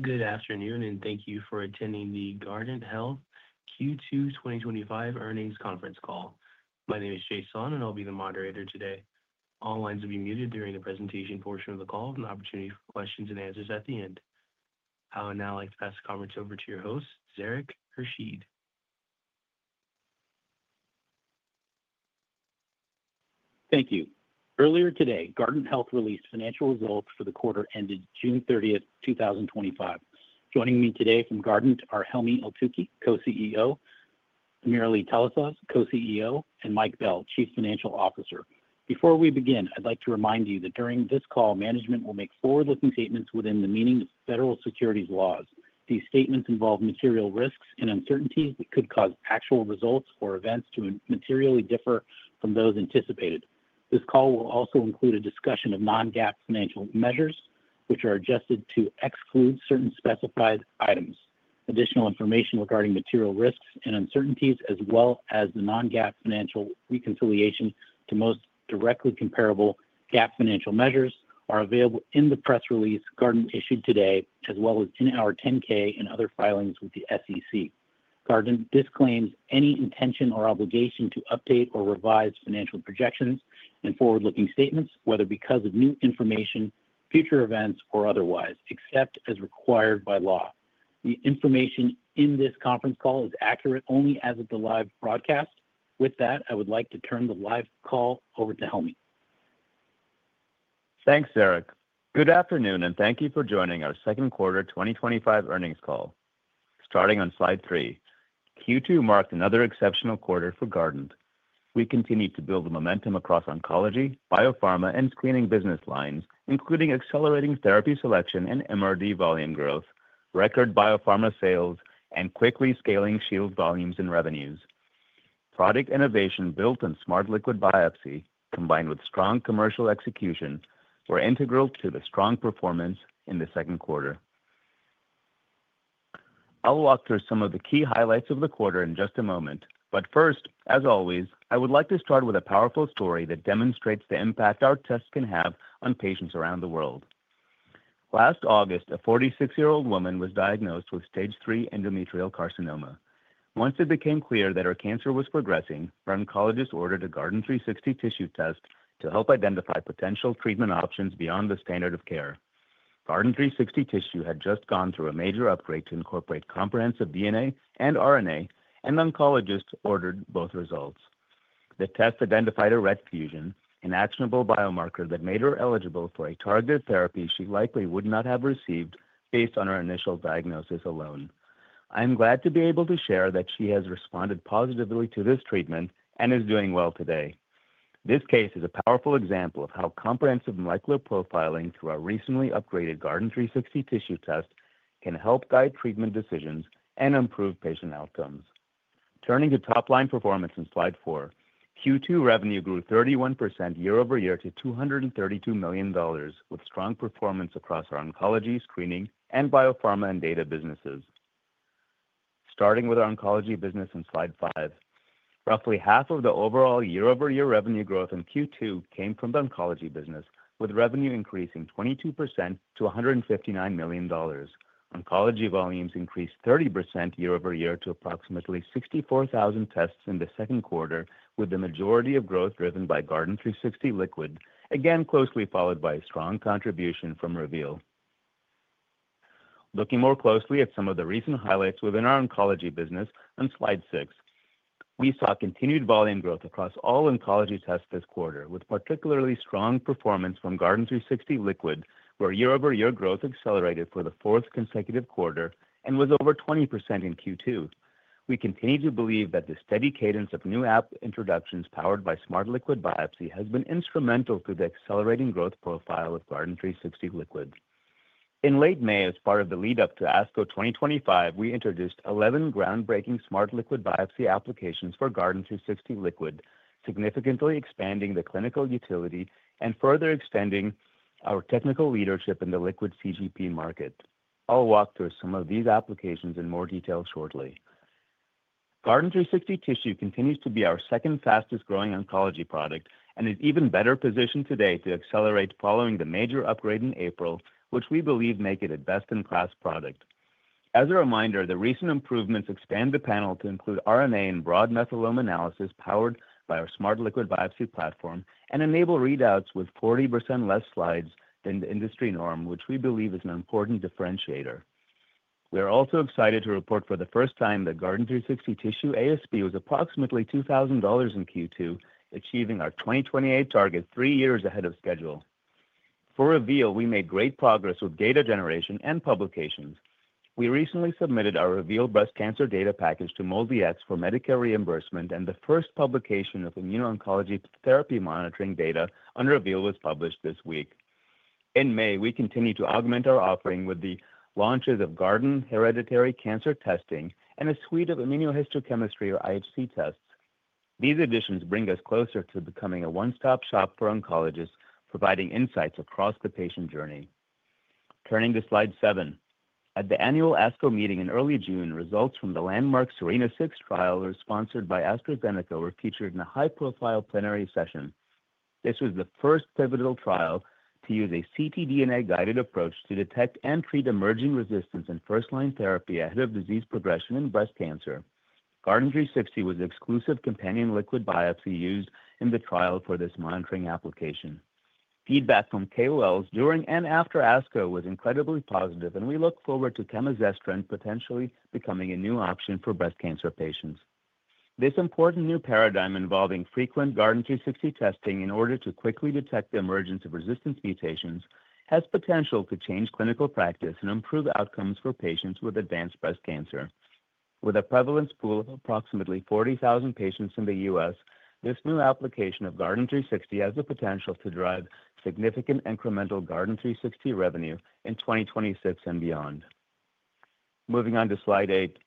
Good afternoon, and thank you for attending the Guardant Health Q2 2025 earnings conference call. My name is Jason, and I'll be the moderator today. All lines will be muted during the presentation portion of the call with an opportunity for questions and answers at the end. I would now like to pass the conference over to your host, Zarak Khurshid. Thank you. Earlier today, Guardant Health released financial results for the quarter ending June 30th, 2025. Joining me today from Guardant are Helmy Eltoukhy, Co-CEO; AmirAli Talasaz, Co-CEO; and Mike Bell, Chief Financial Officer. Before we begin, I'd like to remind you that during this call, management will make forward-looking statements within the meaning of federal securities laws. These statements involve material risks and uncertainties that could cause actual results or events to materially differ from those anticipated. This call will also include a discussion of non-GAAP financial measures, which are adjusted to exclude certain specified items. Additional information regarding material risks and uncertainties, as well as the non-GAAP financial reconciliations to most directly comparable GAAP financial measures are available in the press release Guardant issued today, as well as in our 10-K and other filings with the SEC. Guardant disclaims any intention or obligation to update or revise financial projections and forward-looking statements, whether because of new information, future events, or otherwise, except as required by law. The information in this conference call is accurate only as of the live broadcast. With that, I would like to turn the live call over to Helmy. Thanks, Zarak. Good afternoon, and thank you for joining our second quarter 2025 earnings call. Starting on slide three. Q2 marked another exceptional quarter for Guardant. We continued to build momentum across Oncology, Biopharma, and Screening business lines, including accelerating therapy selection and MRD volume growth, record Biopharma sales, and quickly scaling Shield volumes and revenues. Product innovation built in Smart Liquid Biopsy, combined with strong commercial execution, were integral to the strong performance in the second quarter. I'll walk through some of the key highlights of the quarter in just a moment. First, as always, I would like to start with a powerful story that demonstrates the impact our tests can have on patients around the world. Last August, a 46-year-old woman was diagnosed with Stage 3 endometrial carcinoma. Once it became clear that her cancer was progressing, her oncologist ordered a Guardant360 Tissue test to help identify potential treatment options beyond the standard of care. Guardant360 Tissue had just gone through a major upgrade to incorporate comprehensive DNA and RNA, and oncologists ordered both results. The test identified a RET fusion, an actionable biomarker that made her eligible for a targeted therapy she likely would not have received based on her initial diagnosis alone. I'm glad to be able to share that she has responded positively to this treatment and is doing well today. This case is a powerful example of how comprehensive molecular profiling through our recently upgraded Guardant360 Tissue test can help guide treatment decisions and improve patient outcomes. Turning to top-line performance in slide four. Q2 revenue grew 31% year-over-year to $232 million, with strong performance across our Oncology, Screening, and Biopharma & Data businesses. Starting with our Oncology business in slide five. Roughly 1/2 of the overall year-over-year revenue growth in Q2 came from the Oncology business, with revenue increasing 22% to $159 million. Oncology volumes increased 30% year-over-year to approximately 64,000 tests in the second quarter, with the majority of growth driven by Guardant360 Liquid, again closely followed by strong contribution from Reveal. Looking more closely at some of the recent highlights within our Oncology business on slide six. We saw continued volume growth across all oncology tests this quarter, with particularly strong performance from Guardant360 Liquid, where year-over-year growth accelerated for the fourth consecutive quarter and was over 20% in Q2. We continue to believe that the steady cadence of new app introductions powered by Smart Liquid Biopsy has been instrumental to the accelerating growth profile of Guardant360 Liquid. In late May, as part of the lead-up to ASCO 2025, we introduced 11 groundbreaking Smart Liquid Biopsy applications for Guardant360 Liquid, significantly expanding the clinical utility and further extending our technical leadership in the liquid CGP market. I'll walk through some of these applications in more detail shortly. Guardant360 Tissue continues to be our second fastest-growing oncology product and is even better positioned today to accelerate following the major upgrade in April, which we believe make it a best-in-class product. As a reminder, the recent improvements expand the panel to include RNA and broad methylome analysis powered by our Smart Liquid Biopsy platform and enable readouts with 40% less slides than the industry norm, which we believe is an important differentiator. We are also excited to report for the first time that Guardant360 Tissue ASP was approximately $2,000 in Q2, achieving our 2028 target three years ahead of schedule. For Reveal, we made great progress with data generation and publications. We recently submitted our Reveal breast cancer data package to MolDX for Medicare reimbursement, and the first publication of immuno-oncology therapy monitoring data on Reveal was published this week. In May, we continued to augment our offering with the launches of Guardant Hereditary Cancer testing and a suite of immunohistochemistry or IHC tests. These additions bring us closer to becoming a one-stop shop for oncologists, providing insights across the patient journey. Turning to slide seven. At the annual ASCO meeting in early June, results from the landmark SERENA-6 trial were sponsored by AstraZeneca, were featured in a high-profile plenary session. This was the first pivotal trial to use a ctDNA-guided approach to detect and treat emerging resistance in first-line therapy ahead of disease progression in breast cancer. Guardant360 was the exclusive companion liquid biopsy used in the trial for this monitoring application. Feedback from KOLs during and after ASCO was incredibly positive, and we look forward to camizestrant potentially becoming a new option for breast cancer patients. This important new paradigm involving frequent Guardant360 testing in order to quickly detect the emergence of resistance mutations has potential to change clinical practice and improve outcomes for patients with advanced breast cancer. With a prevalent pool of approximately 40,000 patients in the U.S., this new application of Guardant360 has the potential to drive significant incremental Guardant360 revenue in 2026 and beyond. Moving on to slide eight.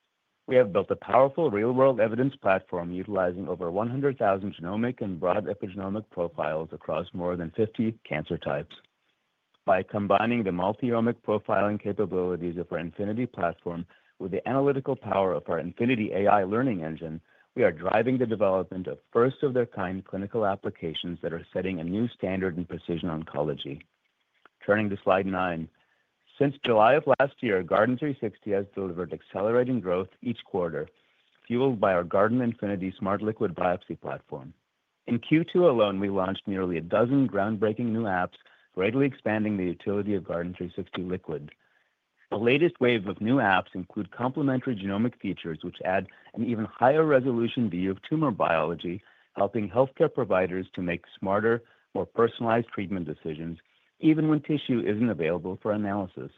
We have built a powerful real-world evidence platform utilizing over 100,000 genomic and broad epigenomic profiles across more than 50 cancer types. By combining the multi-omic profiling capabilities of our Infinity platform with the analytical power of our InfinityAI learning engine, we are driving the development of first-of-their-kind clinical applications that are setting a new standard in precision oncology. Turning to slide nine. Since July of last year, Guardant360 has delivered accelerating growth each quarter, fueled by our Guardant Infinity Smart Liquid Biopsy platform. In Q2 alone, we launched nearly a dozen groundbreaking new apps, greatly expanding the utility of Guardant360 Liquid. The latest wave of new apps include complementary genomic features, which add an even higher resolution view of tumor biology, helping healthcare providers to make smarter, more personalized treatment decisions even when tissue isn't available for analysis.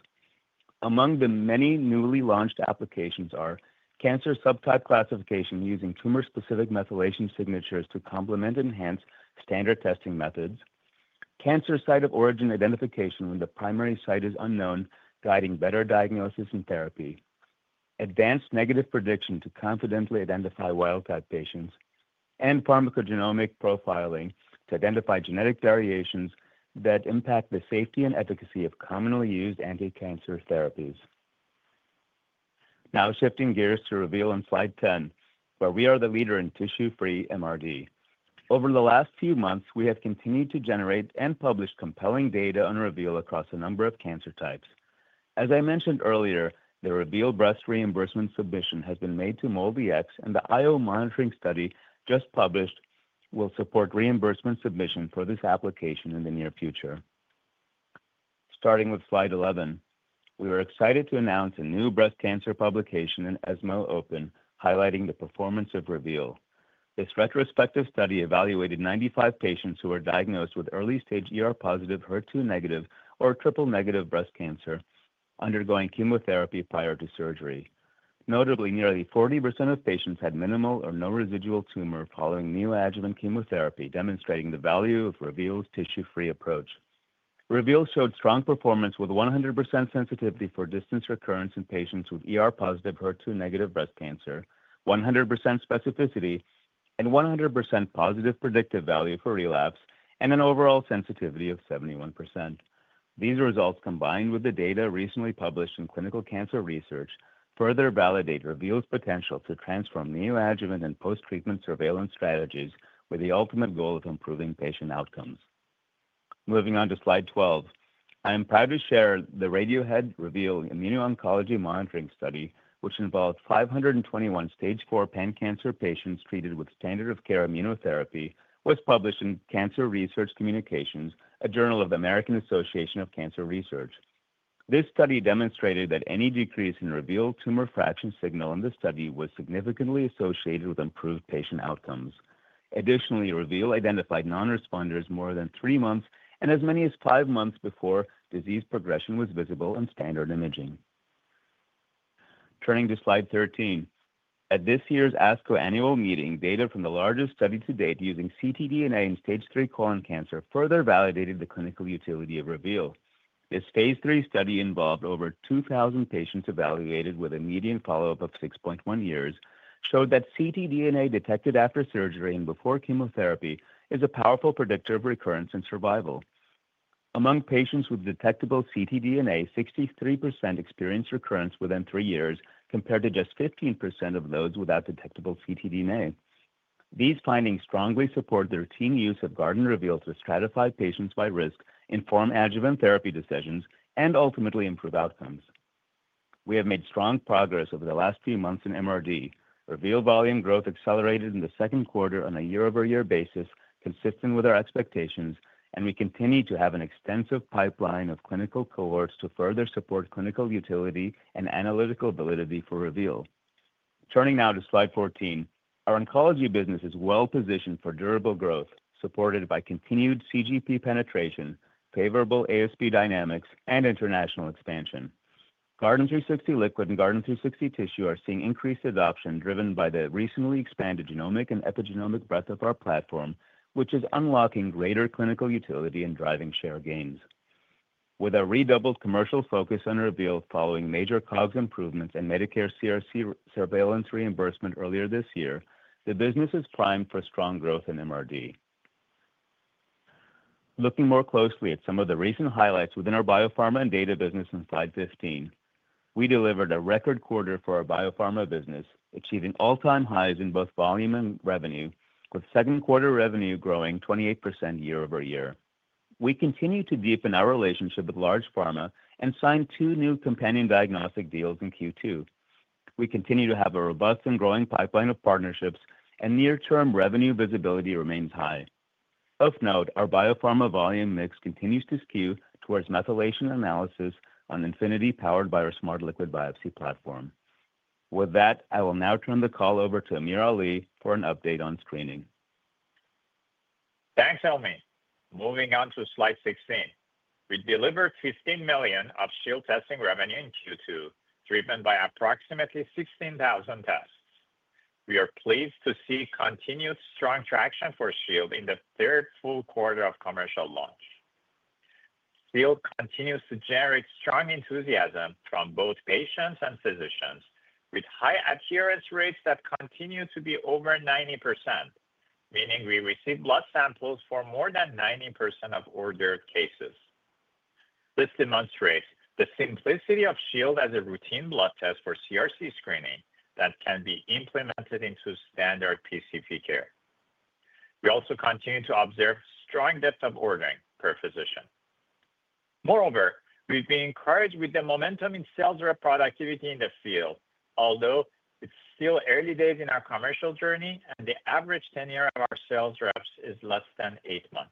Among the many newly launched applications are cancer subtype classification using tumor-specific methylation signatures to complement enhanced standard testing methods; cancer site of origin identification when the primary site is unknown, guiding better diagnosis and therapy; advanced negative prediction to confidently identify wild-type patients; and pharmacogenomic profiling to identify genetic variations that impact the safety and efficacy of commonly used anti-cancer therapies. Shifting gears to Reveal in slide 10, where we are the leader in tissue-free MRD. Over the last few months, we have continued to generate and publish compelling data on Reveal across a number of cancer types. As I mentioned earlier, the Reveal breast reimbursement submission has been made to MolDX, and the IO monitoring study just published will support reimbursement submission for this application in the near future. Starting with slide 11. We are excited to announce a new breast cancer publication in ESMO Open highlighting the performance of Reveal. This retrospective study evaluated 95 patients who were diagnosed with early-stage ER+/HER2- or triple-negative breast cancer undergoing chemotherapy prior to surgery. Notably, nearly 40% of patients had minimal or no residual tumor following neoadjuvant chemotherapy, demonstrating the value of Reveal's tissue-free approach. Reveal showed strong performance with 100% sensitivity for distant recurrence in patients with ER+/HER2- breast cancer, 100% specificity, and 100% positive predictive value for relapse, and an overall sensitivity of 71%. These results, combined with the data recently published in Clinical Cancer Research, further validate Reveal's potential to transform neoadjuvant and post-treatment surveillance strategies with the ultimate goal of improving patient outcomes. Moving on to slide 12. I am proud to share the RADIOHEAD Reveal immuno-oncology monitoring study, which involved 521 Stage 4 pan cancer patients treated with standard of care immunotherapy, was published in Cancer Research Communications, a journal of the American Association for Cancer Research. This study demonstrated that any decrease in Reveal tumor fraction signal in the study was significantly associated with improved patient outcomes. Additionally, Reveal identified non-responders more than three months and as many as five months before disease progression was visible on standard imaging. Turning to slide 13. At this year's ASCO annual meeting, data from the largest study to date using ctDNA in Stage 3 colon cancer further validated the clinical utility of Reveal. This phase III study involved over 2,000 patients evaluated with a median follow-up of 6.1 years, showed that ctDNA detected after surgery and before chemotherapy is a powerful predictor of recurrence and survival. Among patients with detectable ctDNA, 63% experienced recurrence within three years, compared to just 15% of those without detectable ctDNA. These findings strongly support the routine use of Guardant Reveal to stratify patients by risk, inform adjuvant therapy decisions, and ultimately improve outcomes. We have made strong progress over the last few months in MRD. Reveal volume growth accelerated in the second quarter on a year-over-year basis, consistent with our expectations, and we continue to have an extensive pipeline of clinical cohorts to further support clinical utility and analytical validity for Reveal. Turning now to slide 14. Our Oncology business is well-positioned for durable growth, supported by continued CGP penetration, favorable ASP dynamics, and international expansion. Guardant360 Liquid and Guardant360 Tissue are seeing increased adoption driven by the recently expanded genomic and epigenomic breadth of our platform, which is unlocking greater clinical utility and driving share gains. With our redoubled commercial focus on Reveal following major COGS improvements in Medicare CRC surveillance reimbursement earlier this year, the business is primed for strong growth in MRD. Looking more closely at some of the recent highlights within our Biopharma & Data business in slide 15. We delivered a record quarter for our Biopharma business, achieving all-time highs in both volume and revenue, with second quarter revenue growing 28% year-over-year. We continue to deepen our relationship with large pharma and signed two new companion diagnostic deals in Q2. We continue to have a robust and growing pipeline of partnerships, and near-term revenue visibility remains high. Of note, our Biopharma volume mix continues to skew towards methylation analysis on Infinity, powered by our Smart Liquid Biopsy platform. With that, I will now turn the call over to AmirAli for an update on Screening. Thanks, Helmy. Moving on to slide 16. We delivered $15 million of Shield testing revenue in Q2, driven by approximately 16,000 tests. We are pleased to see continued strong traction for Shield in the third full quarter of commercial launch. Shield continues to generate strong enthusiasm from both patients and physicians, with high adherence rates that continue to be over 90%, meaning we receive blood samples for more than 90% of ordered cases. This demonstrates the simplicity of Shield as a routine blood test for CRC screening that can be implemented into standard PCP care. We also continue to observe strong depth of ordering per physician. Moreover, we've been encouraged with the momentum in sales rep productivity in the field, although it's still early days in our commercial journey, and the average tenure of our sales reps is less than eight months.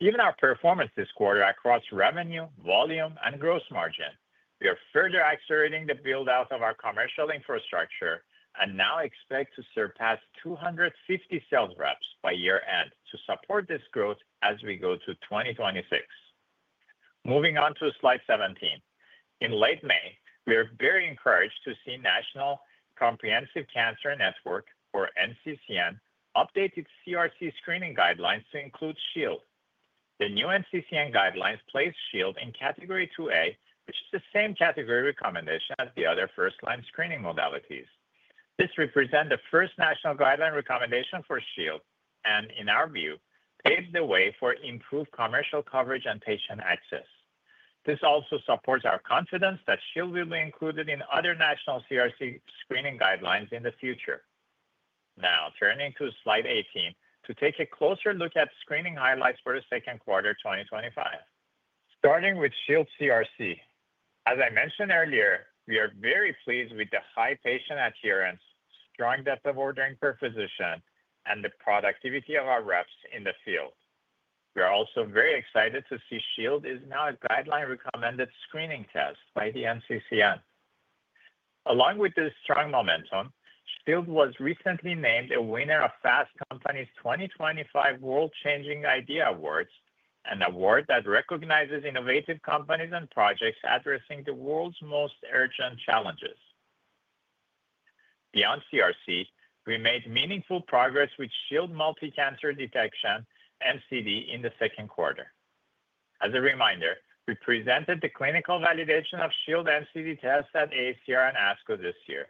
Given our performance this quarter across revenue, volume, and gross margin, we are further accelerating the build-out of our commercial infrastructure and now expect to surpass 250 sales reps by year-end to support this growth as we go to 2026. Moving on to slide 17. In late May, we were very encouraged to see National Comprehensive Cancer Network, or NCCN, update its CRC screening guidelines to include Shield. The new NCCN guidelines place Shield in Category 2A, which is the same category recommendation as the other first-line screening modalities. This represents the first national guideline recommendation for Shield and, in our view, paves the way for improved commercial coverage and patient access. This also supports our confidence that Shield will be included in other national CRC screening guidelines in the future. Now, turning to slide 18 to take a closer look at Screening highlights for the second quarter 2025. Starting with Shield CRC. As I mentioned earlier, we are very pleased with the high patient adherence, strong depth of ordering per physician, and the productivity of our reps in the field. We are also very excited to see Shield is now a guideline-recommended screening test by the NCCN. Along with this strong momentum, Shield was recently named a winner of Fast Company's 2025 World Changing Idea Awards, an award that recognizes innovative companies and projects addressing the world's most urgent challenges. Beyond CRC, we made meaningful progress with Shield multi-cancer detection, MCD, in the second quarter. As a reminder, we presented the clinical validation of Shield MCD test at AACR and ASCO this year.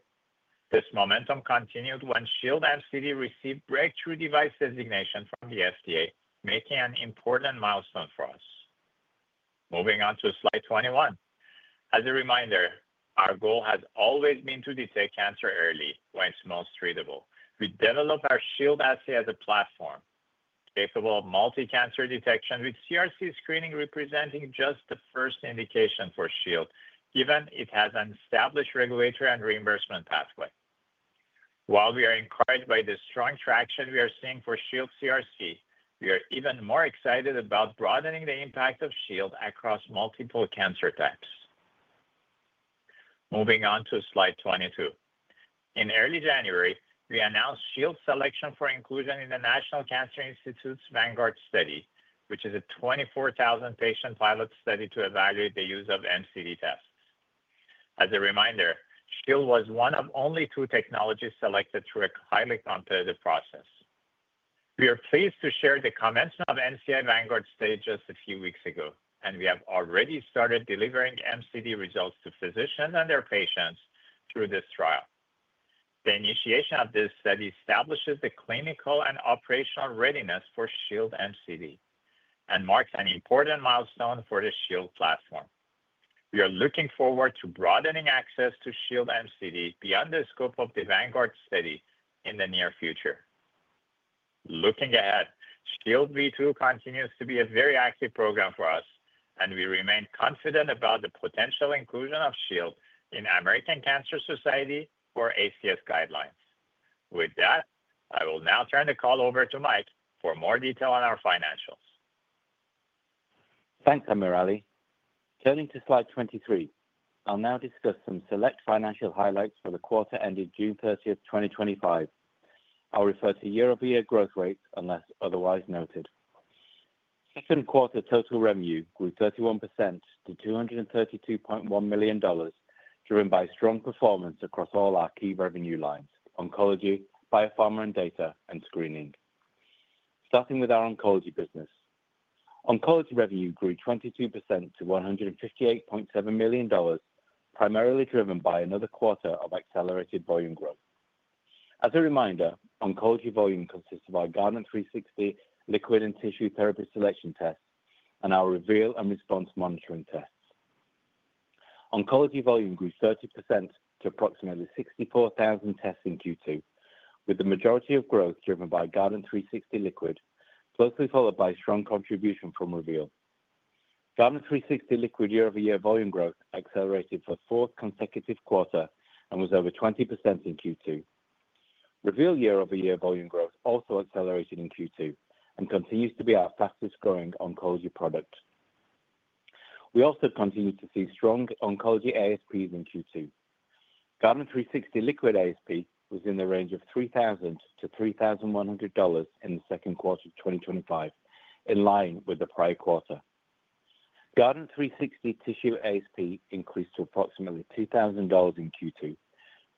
This momentum continued when Shield MCD received breakthrough device designation from the FDA, making an important milestone for us. Moving on to slide 21. As a reminder, our goal has always been to detect cancer early, when it's most treatable. We developed our Shield as a platform capable of multi-cancer detection, with CRC screening representing just the first indication for Shield, given it has an established regulatory and reimbursement pathway. While we are encouraged by the strong traction we are seeing for Shield CRC, we are even more excited about broadening the impact of Shield across multiple cancer types. Moving on to slide 22. In early January, we announced Shield's selection for inclusion in the National Cancer Institute's Vanguard Study, which is a 24,000-patient pilot study to evaluate the use of MCD tests. As a reminder, Shield was one of only two technologies selected through a highly-competitive process. We are pleased to share the commencement of NCI Vanguard Study just a few weeks ago, and we have already started delivering MCD results to physicians and their patients through this trial. The initiation of this study establishes the clinical and operational readiness for Shield MCD and marks an important milestone for the Shield platform. We are looking forward to broadening access to Shield MCD beyond the scope of the Vanguard Study in the near future. Looking ahead, Shield V2 continues to be a very active program for us, and we remain confident about the potential inclusion of Shield in American Cancer Society or ACS guidelines. With that, I will now turn the call over to Mike for more detail on our financials. Thanks, AmirAli. Turning to slide 23. I'll now discuss some select financial highlights for the quarter ending June 30th, 2025. I'll refer to year-over-year growth rates unless otherwise noted. Second quarter total revenue grew 31% to $232.1 million, driven by strong performance across all our key revenue lines: Oncology, Biopharma & Data, and Screening. Starting with our Oncology business. Oncology revenue grew 22% to $158.7 million, primarily driven by another quarter of accelerated volume growth. As a reminder, Oncology volume consists of our Guardant360 Liquid and Tissue therapist selection test and our Reveal and response monitoring test. Oncology volume grew 30% to approximately 64,000 tests in Q2, with the majority of growth driven by Guardant360 Liquid, closely followed by strong contribution from Reveal. Guardant360 Liquid year-over-year volume growth accelerated for fourth consecutive quarter and was over 20% in Q2. Reveal year-over-year volume growth also accelerated in Q2 and continues to be our fastest-growing Oncology product. We also continue to see strong Oncology ASPs in Q2. Guardant360 Liquid ASP was in the range of $3,000-$3,100 in the second quarter of 2025, in line with the prior quarter. Guardant360 Tissue ASP increased to approximately $2,000 in Q2,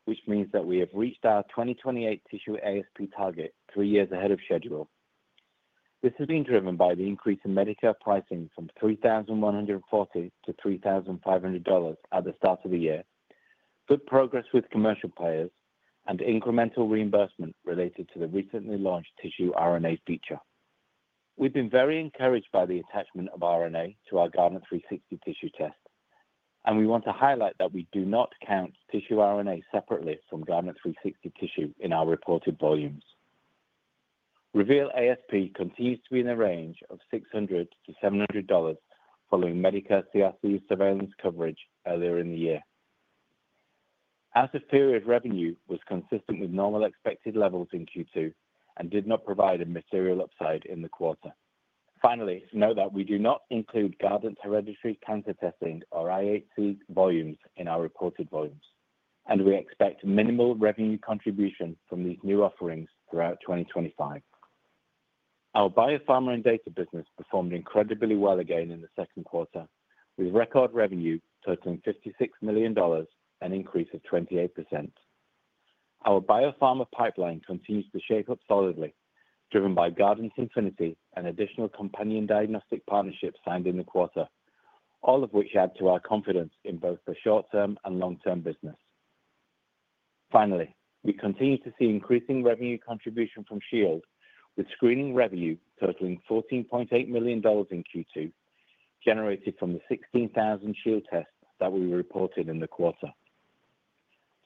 which means that we have reached our 2028 Tissue ASP target three years ahead of schedule. This has been driven by the increase in Medicare pricing from $3,140 to $3,500 at the start of the year, good progress with commercial payers, and incremental reimbursement related to the recently launched tissue RNA feature. We've been very encouraged by the attachment of RNA to our Guardant360 Tissue test, and we want to highlight that we do not count tissue RNA separately from Guardant360 Tissue in our reported volumes. Reveal ASP continues to be in a range of $600-$700 following Medicare CRC surveillance coverage earlier in the year. After sales revenue was consistent with normal expected levels in Q2 and did not provide a material upside in the quarter. Finally, note that we do not include Guardant Hereditary Cancer test or IHC volumes in our reported volumes, and we expect minimal revenue contribution from these new offerings throughout 2025. Our Biopharma & Data business performed incredibly well again in the second quarter, with record revenue totaling $56 million, an increase of 28%. Our Biopharma pipeline continues to shape up solidly, driven by Guardant Infinity and additional companion diagnostic partnerships signed in the quarter, all of which add to our confidence in both the short-term and long-term business. Finally, we continue to see increasing revenue contribution from Shield, with Screening revenue totaling $14.8 million in Q2, generated from the 16,000 Shield tests that we reported in the quarter.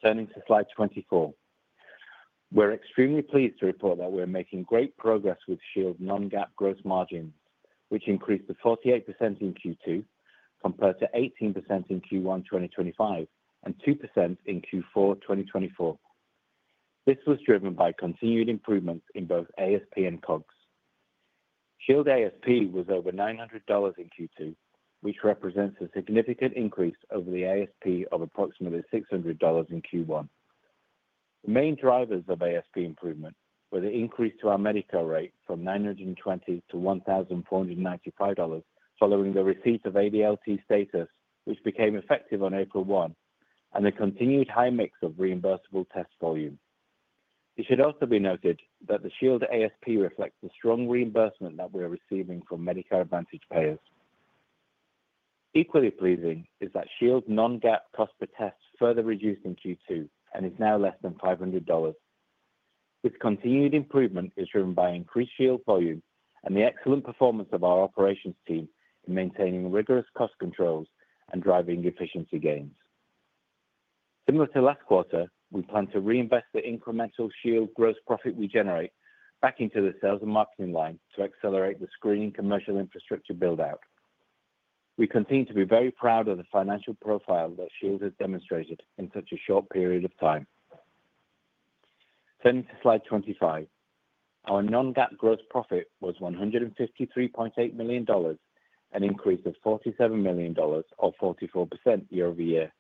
Turning to slide 24. We're extremely pleased to report that we're making great progress with Shield non-GAAP gross margin, which increased to 48% in Q2 compared to 18% in Q1 2025, and 2% in Q4 2024. This was driven by continued improvements in both ASP and COGS. Shield ASP was over $900 in Q2, which represents a significant increase over the ASP of approximately $600 in Q1. The main drivers of ASP improvement were the increase to our Medicare rate from $920 to $1,495, following the receipt of ADLT status, which became effective on April 1, and the continued high mix of reimbursable test volumes. It should also be noted that the Shield ASP reflects the strong reimbursement that we're receiving from Medicare Advantage payers. Equally pleasing is that Shield non-GAAP cost per test further reduced in Q2 and is now less than $500. This continued improvement is driven by increased Shield volume and the excellent performance of our operations team in maintaining rigorous cost controls and driving efficiency gains. Similar to last quarter, we plan to reinvest the incremental Shield gross profit we generate back into the sales and marketing line to accelerate the Screening commercial infrastructure build-out. We continue to be very proud of the financial profile that Shield has demonstrated in such a short period of time. Turning to slide 25. Our non-GAAP gross profit was $153.8 million, an increase of $47 million or 44% year-over-year.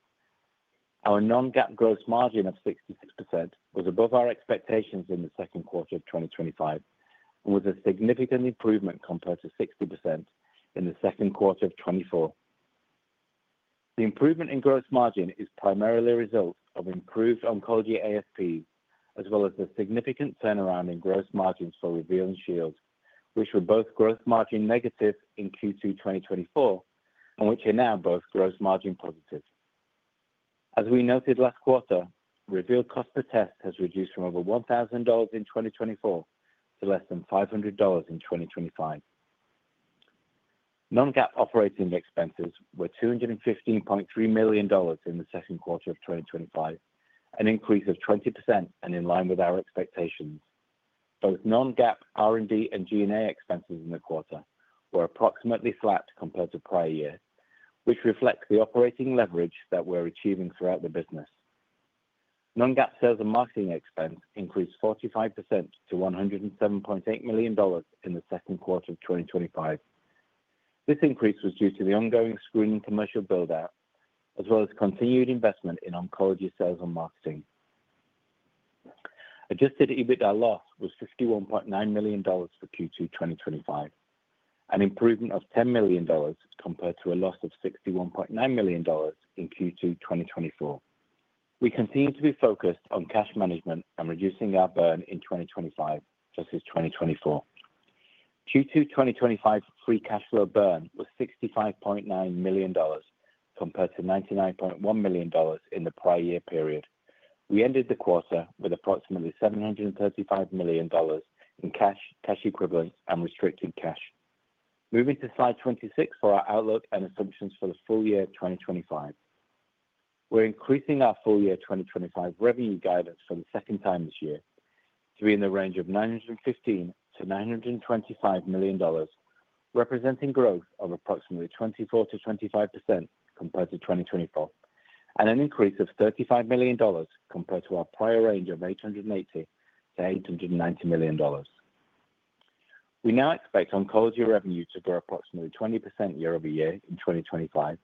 Our non-GAAP gross margin of 66% was above our expectations in the second quarter of 2025 and was a significant improvement compared to 60% in the second quarter of 2024. The improvement in gross margin is primarily a result of improved Oncology ASP, as well as the significant turnaround in gross margins for Reveal and Shield, which were both gross margin negative in Q2 2024 and which are now both gross margin positive. As we noted last quarter, Reveal cost per test has reduced from over $1,000 in 2024 to less than $500 in 2025. Non-GAAP operating expenses were $215.3 million in the second quarter of 2025, an increase of 20% and in line with our expectations. Both non-GAAP R&D and G&A expenses in the quarter were approximately flat compared to prior year, which reflects the operating leverage that we're achieving throughout the business. Non-GAAP sales and marketing expense increased 45% to $107.8 million in the second quarter of 2025. This increase was due to the ongoing Screening commercial build-out, as well as continued investment in Oncology sales and marketing. Adjusted EBITDA loss was $51.9 million for Q2 2025, an improvement of $10 million compared to a loss of $61.9 million in Q2 2024. We continue to be focused on cash management and reducing our burn in 2025 versus 2024. Q2 2025 free cash flow burn was $65.9 million, compared to $99.1 million in the prior year period. We ended the quarter with approximately $735 million in cash and cash equivalents, and restricted cash. Moving to slide 26 for our outlook and assumptions for the full year 2025. We're increasing our full year 2025 revenue guidance for the second time this year to be in the range of $915 million-$925 million, representing growth of approximately 24%-25% compared to 2024, and an increase of $35 million compared to our prior range of $880 million-$890 million. We now expect Oncology revenues to grow approximately 20% year-over-year in 2025,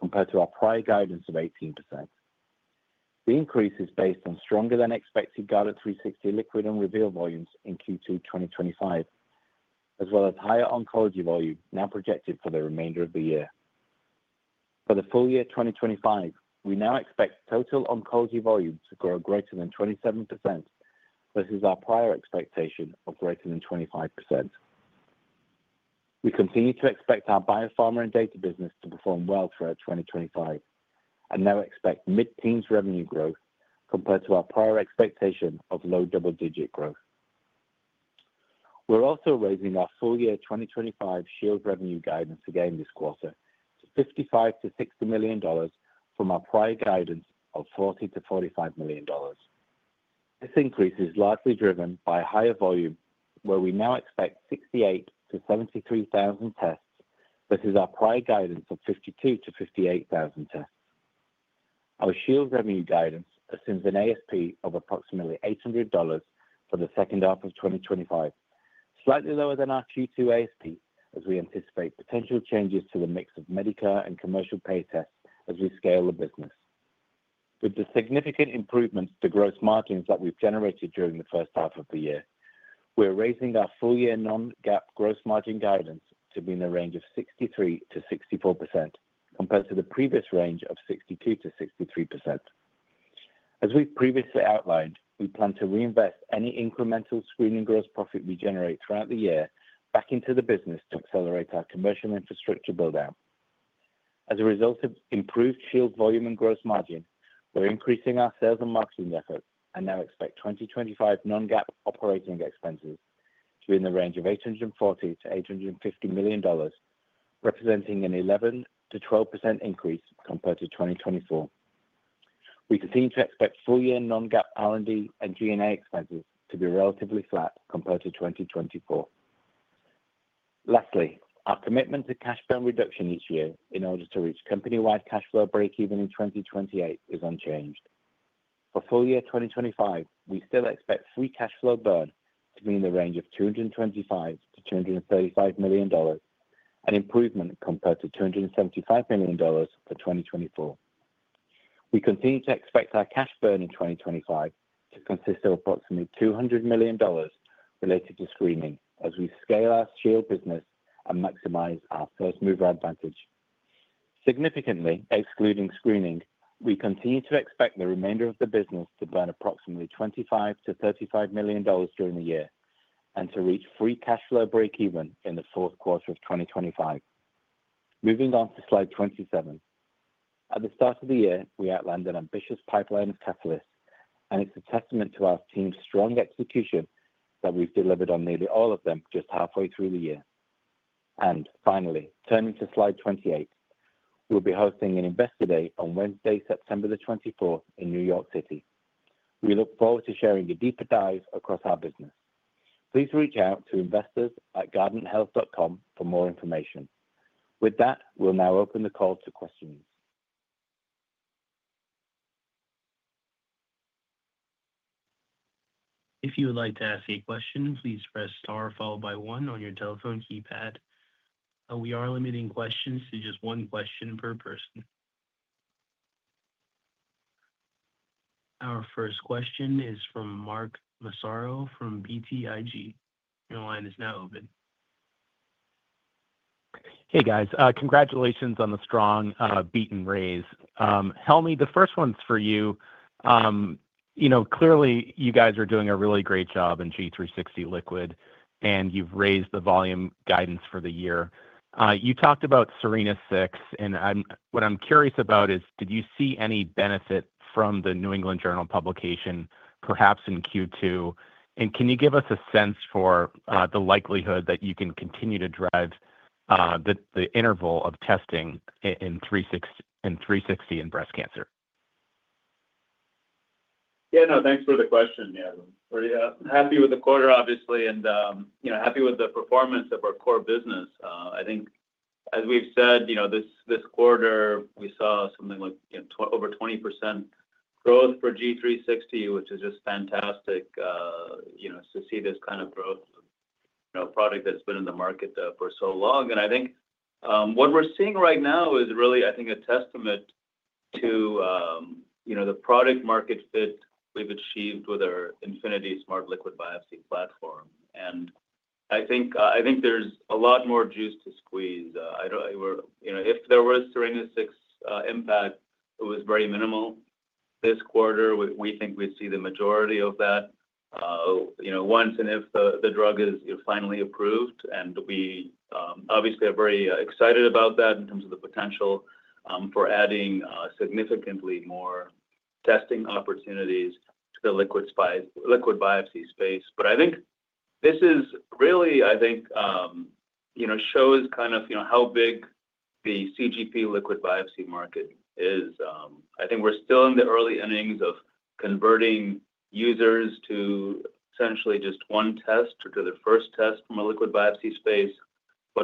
compared to our prior guidance of 18%. The increase is based on stronger than expected Guardant360 Liquid and Reveal volumes in Q2 2025, as well as higher Oncology volume now projected for the remainder of the year. For the full year 2025, we now expect total Oncology volume to grow greater than 27%, versus our prior expectation of greater than 25%. We continue to expect our Biopharma & Data business to perform well throughout 2025, and now expect mid-teens revenue growth compared to our prior expectation of low double-digit growth. We are also raising our full year 2025 Shield revenue guidance again this quarter to $55 million-$60 million from our prior guidance of $40 million-$45 million. This increase is largely driven by higher volume, where we now expect 68,000-73,000 tests versus our prior guidance of 52,000-58,000 tests. Our Shield revenue guidance assumes an ASP of approximately $800 for the second half of 2025, slightly lower than our Q2 ASP, as we anticipate potential changes to the mix of Medicare and commercial pay tests as we scale the business. With the significant improvements to gross margins that we've generated during the first half of the year, we're raising our full-year non-GAAP gross margin guidance to be in the range of 63%-64%, compared to the previous range of 62%-63%. As we've previously outlined, we plan to reinvest any incremental Screening gross profit we generate throughout the year back into the business to accelerate our commercial infrastructure build-out. As a result of improved Shield volume and gross margin, we're increasing our sales and marketing efforts and now expect 2025 non-GAAP operating expenses to be in the range of $840 million-$850 million, representing an 11%-12% increase compared to 2024. We continue to expect full-year non-GAAP R&D and G&A expenses to be relatively flat compared to 2024. Lastly, our commitment to cash burn reduction each year in order to reach company-wide cash flow breakeven in 2028 is unchanged. For full-year 2025, we still expect free cash flow burn to be in the range of $225 million-$235 million, an improvement compared to $275 million for 2024. We continue to expect our cash burn in 2025 to consist of approximately $200 million related to Screening as we scale our Shield business and maximize our first-mover advantage. Significantly excluding Screening, we continue to expect the remainder of the business to burn approximately $25 million-$35 million during the year, and to reach free cash flow breakeven in the fourth quarter of 2025. Moving on to slide 27. At the start of the year, we outlined an ambitious pipeline of catalysts, it's a testament to our team's strong execution that we've delivered on nearly all of them just halfway through the year. Finally, turning to slide 28. We'll be hosting an Investor Day on Wednesday, September the 24th in New York City. We look forward to sharing a deeper dive across our business. Please reach out to investors@guardanthealth.com for more information. With that, we'll now open the call to questions. If you would like to ask a question, please press star followed by one on your telephone keypad. We are limiting questions to just one question per person. Our first question is from Mark Massaro from BTIG. Your line is now open. Hey, guys. Congratulations on the strong beat and raise. Helmy, the first one's for you. Clearly you guys are doing a really great job in Guardant360 Liquid. You've raised the volume guidance for the year. You talked about SERENA-6. What I'm curious about is, did you see any benefit from The New England Journal of Medicine publication, perhaps in Q2? Can you give us a sense for the likelihood that you can continue to drive the interval of testing in Guardant360 in breast cancer? Thanks for the question. Happy with the quarter, obviously, and happy with the performance of our core business. I think as we've said, this quarter we saw something like over 20% growth for Guardant360, which is just fantastic to see this kind of growth of a product that's been in the market for so long. I think what we're seeing right now is really, I think a testament to the product market fit we've achieved with our Infinity Smart Liquid Biopsy platform. I think there's a lot more juice to squeeze. If there was SERENA-6 impact, it was very minimal. This quarter, we think we see the majority of that once and if the drug is finally approved. We obviously are very excited about that in terms of the potential for adding significantly more testing opportunities to the liquid biopsy space. I think this really shows how big the CGP liquid biopsy market is. I think we're still in the early innings of converting users to potentially just one test or to the first test from a liquid biopsy space.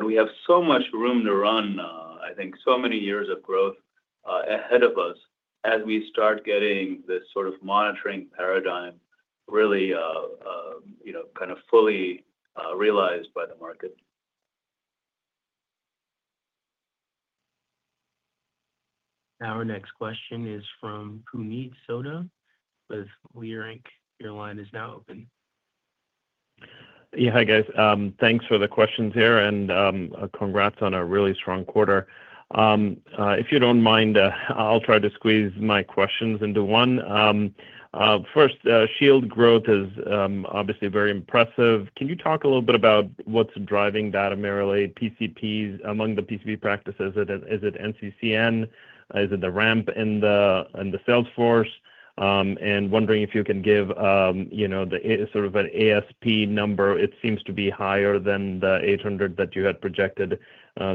We have so much room to run, I think so many years of growth ahead of us as we start getting this sort of monitoring paradigm really, kind of fully realized by the market. Our next question is from Puneet Souda with Leerink. Your line is now open. Hi, guys. Thanks for the questions here. Congrats on a really strong quarter. If you don't mind, I'll try to squeeze my questions into one. First, Shield growth is obviously very impressive. Can you talk a little bit about what's driving that, primarily among the PCP practices? Is it NCCN? Is it the ramp in the sales force? Wondering if you can give the sort of an ASP number. It seems to be higher than the $800 that you had projected.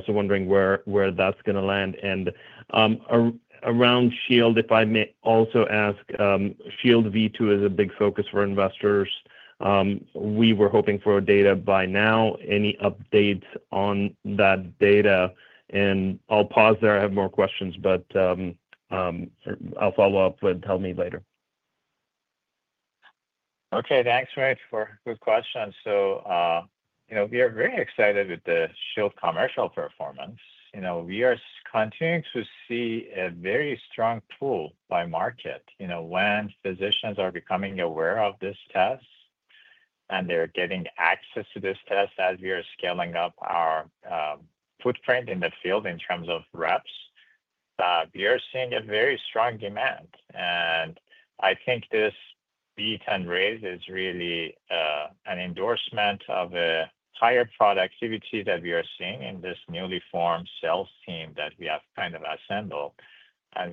Wondering where that's going to land. Around Shield, if I may also ask, Shield V2 is a big focus for investors. We were hoping for data by now. Any updates on that data? I'll pause there. I have more questions, but I'll follow up with Helmy later. Thanks, Puneet, for a good question. We are very excited with the Shield commercial performance. We are continuing to see a very strong pull by market. When physicians are becoming aware of this test, they're getting access to this test as we are scaling up our footprint in the field in terms of reps, we are seeing a very strong demand. I think this beat and raise is really an endorsement of the entire productivity that we are seeing in this newly formed sales team that we have kind of assembled.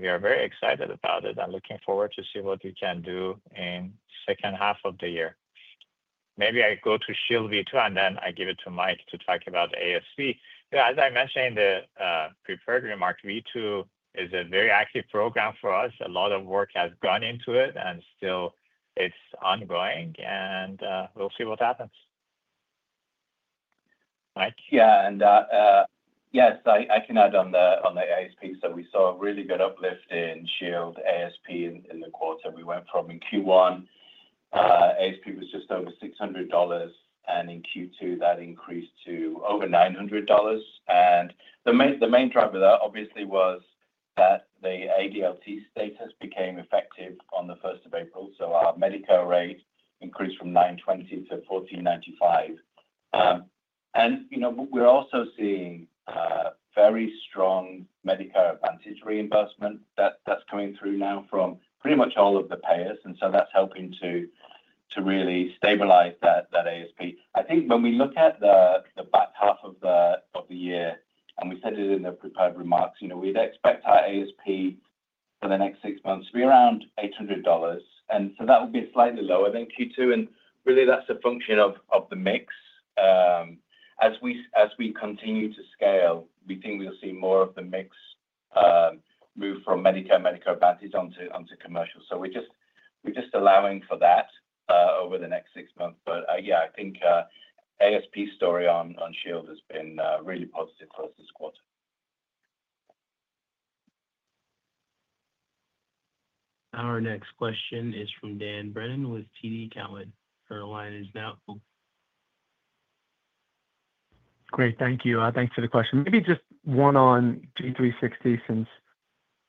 We are very excited about it, and looking forward to see what we can do in the second half of the year. Maybe I go to Shield V2, then I give it to Mike to talk about the ASP. As I mentioned in the prepared remarks, V2 is a very active program for us. A lot of work has gone into it, and still it's ongoing, and we'll see what happens. Mike? Yes, I can add on the ASP. We saw a really good uplift in Shield ASP in the quarter. We went from in Q1, ASP was just over $600, in Q2, that increased to over $900. The main driver there obviously was that the ADLT status became effective on the 1st of April, our Medicare rate increased from $920 to $1,495. We are also seeing very strong Medicare Advantage reimbursement that is coming through now from pretty much all of the payers, that is helping to really stabilize that ASP. I think when we look at the back half of the year, we said it in the prepared remarks, we would expect our ASP for the next six months to be around $800. That would be slightly lower than Q2, really that is a function of the mix. As we continue to scale, we think we'll see more of the mix move from Medicare Advantage onto commercial. We're just allowing for that over the next six months. I think ASP story on Shield has been really positive across this quarter. Our next question is from Dan Brennan with TD Cowen. Your line is now open. Great. Thank you. Thanks for the question. Just one on Guardant360, since it's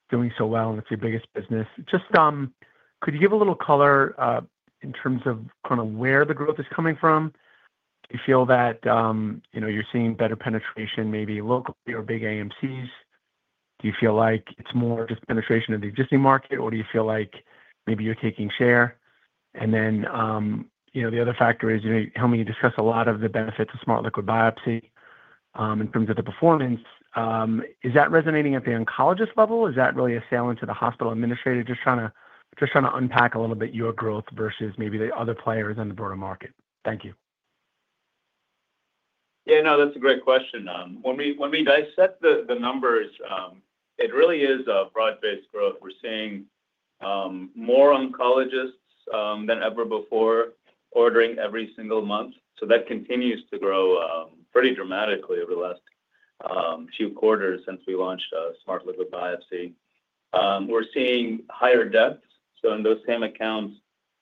doing so well, and it's your biggest business. Could you give a little color in terms of where the growth is coming from? Do you feel that you're seeing better penetration, maybe locally or big AMCs? Do you feel like it's more just penetration of the existing market, or do you feel like maybe you're taking share? The other factor is, how many of you discuss a lot of the benefits of Smart Liquid Biopsy in terms of the performance? Is that resonating at the oncologist level? Is that really a sale into the hospital administrator? Just trying to unpack a little bit your growth versus maybe the other players in the broader market. Thank you. That's a great question. When we dissect the numbers, it really is a broad-based growth. We're seeing more oncologists than ever before ordering every single month. That continues to grow pretty dramatically over the last few quarters since we launched Smart Liquid Biopsy. We're seeing higher depth. In those same accounts,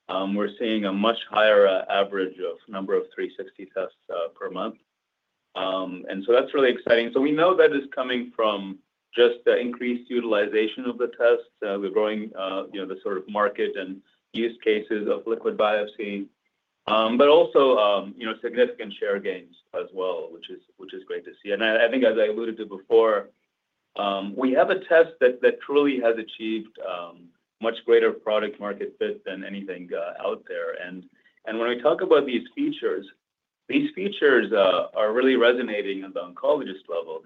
we're seeing a much higher average of number of Guardant360 tests per month. That's really exciting. We know that is coming from just the increased utilization of the test, the growing market and use cases of liquid biopsy. Also significant share gains as well, which is great to see. I think as I alluded to before, we have a test that truly has achieved much greater product market fit than anything out there. When I talk about these features, these features are really resonating at the oncologist level.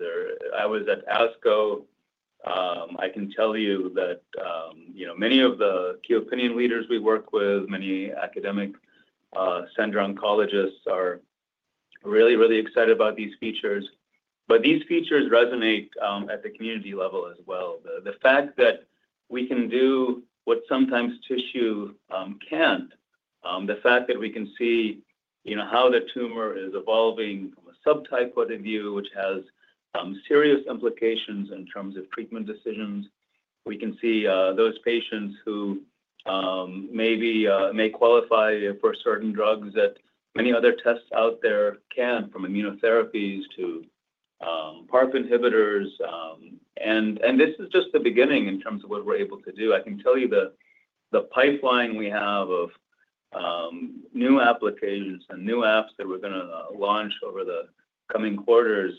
I was at ASCO. I can tell you that many of the key opinion leaders we work with, many academic center oncologists are really excited about these features, but these features resonate at the community level as well. The fact that we can do what sometimes tissue can't, the fact that we can see how the tumor is evolving from a subtype point of view, which has serious implications in terms of treatment decisions. We can see those patients who maybe may qualify for certain drugs that many other tests out there can't, from immunotherapies to PARP inhibitors. This is just the beginning in terms of what we're able to do. I can tell you that the pipeline we have of new applications and new apps that we're going to launch over the coming quarters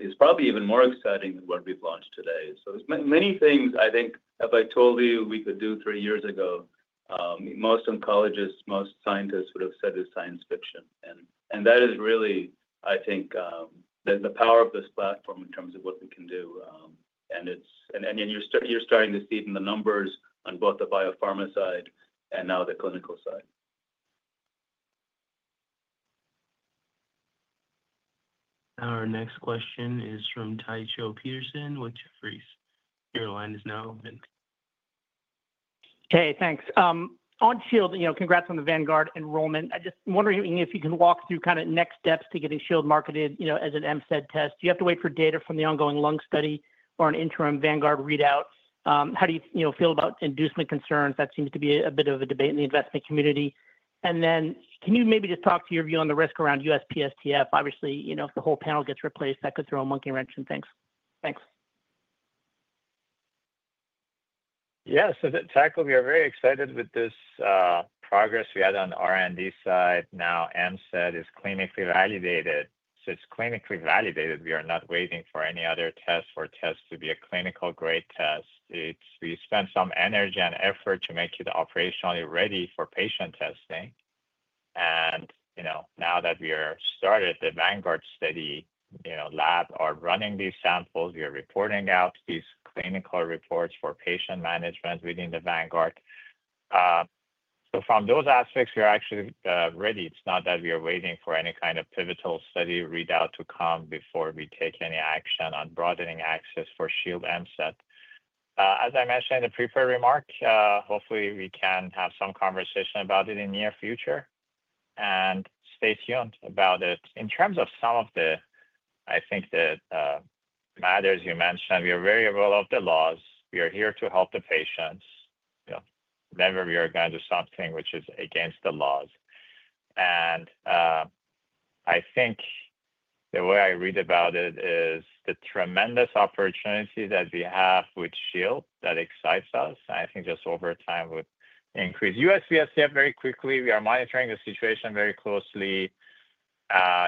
is probably even more exciting than what we've launched today. Many things I think if I told you we could do three years ago, most oncologists, most scientists would have said is science fiction. That is really, I think, the power of this platform in terms of what we can do. You're starting to see it in the numbers on both the Biopharma side and now the clinical side. Our next question is from Tycho Peterson with Jefferies. Your line is now open. Thanks. On Shield, congrats on the Vanguard enrollment. I'm just wondering if you can walk through next steps to getting Shield marketed as an MCD test. Do you have to wait for data from the ongoing lung study or an interim Vanguard readout? How do you feel about inducement concerns? That seems to be a bit of a debate in the investing community. Can you maybe just talk through your view on the risk around USPSTF? Obviously, if the whole panel gets replaced, that could throw a monkey wrench in things. Thanks. We are very excited with this progress we had on the R&D side. Now, Shield MCD is clinically validated. We are not waiting for any other test to be a clinical-grade test. We spent some energy and effort to make it operationally ready for patient testing. Now, that we are started, the Vanguard Study lab are running these samples. We are reporting out these clinical reports for patient management within the Vanguard Study. From those aspects, we are actually ready. It's not that we are waiting for any kind of pivotal study readout to come before we take any action on broadening access for Shield MCD. As I mentioned in the prepared remarks, hopefully we can have some conversation about it in the near future. Stay tuned about it. In terms of some of the, I think the matters you mentioned, we are very above the laws. We are here to help the patients, never we are going to do something which is against the laws. I think the way I read about it is the tremendous opportunity that we have with Shield that excites us, and I think this over time would increase USPSTF very quickly. We are monitoring the situation very closely.